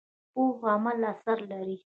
پوخ عمل اثر لري